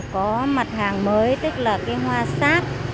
có mặt hàng mới tức là cái hoa sáp